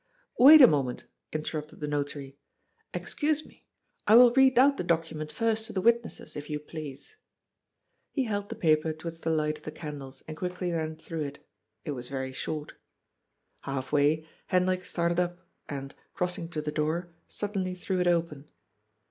" Wait a moment," interrupted the Notary. " Excuse me. I will read out the document first to the witnesses, if you please." He held the paper towards the light of the candles and quickly ran through it. It was very short. 27 418 GOD'S POOL. Half way, Hendrik started ap, and, crossing to the door, suddenly threw it open.